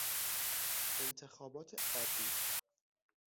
انتخابات عادی